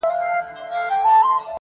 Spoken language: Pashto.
گرانه په دغه سي حشر كي جــادو,